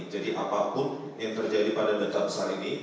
jadi apapun yang terjadi pada data besar ini